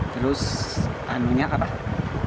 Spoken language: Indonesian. terus anginnya kata